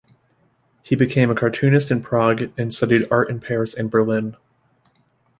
He became a cartoonist in Prague and studied art in Paris and Berlin.